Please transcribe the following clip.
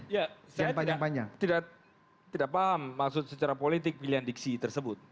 ya saya tidak paham maksud secara politik pilihan diksi tersebut